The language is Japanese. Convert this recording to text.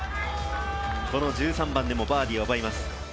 １３番でもバーディーを奪います。